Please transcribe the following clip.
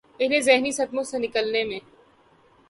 انہیں ذہنی صدموں سے نکلنے میں